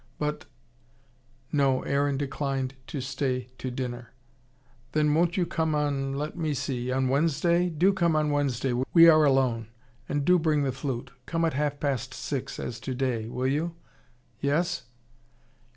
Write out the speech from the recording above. But " No, Aaron declined to stay to dinner. "Then won't you come on let me see on Wednesday? Do come on Wednesday. We are alone. And do bring the flute. Come at half past six, as today, will you? Yes?"